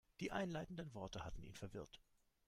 Die einleitenden Worte hatten ihn verwirrt.